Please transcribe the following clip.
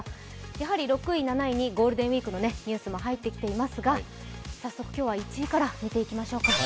やはり６位、７位にゴールデンウイークのニュースも入っていますが早速、今日は１位から見ていきましょうか。